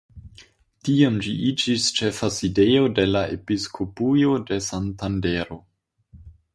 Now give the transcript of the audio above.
Tiam ĝi iĝis ĉefa sidejo de la episkopujo de Santandero.